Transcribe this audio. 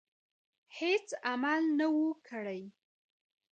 هیڅ عمل نه وو کړی.